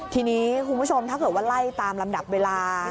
ทีนี้คุณผู้ชมถ้าเกิดว่าไล่ตามลำดับเวลา